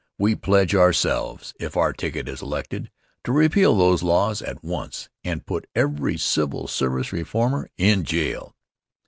We pledge ourselves, if our ticket is elected, to repeal those laws at once and put every civil service reformer in jail."